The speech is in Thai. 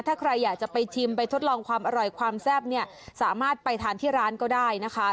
ถ้าใครอยากจะไปชิมไปทดลองความอร่อยความแซ่บเนี่ยสามารถไปทานที่ร้านก็ได้นะคะ